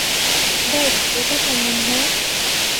বেশ, এইটা কেমন হয়?